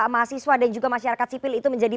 mahasiswa dan juga masyarakat sipil itu menjadi